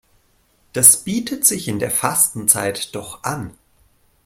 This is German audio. Das bietet sich in der Fastenzeit doch an.